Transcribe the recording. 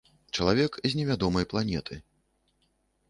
Чалавек з невядомай планеты.